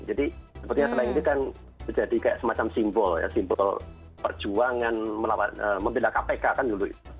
jadi sepertinya sleng ini kan menjadi kayak semacam simbol ya simbol perjuangan membela kpk kan dulu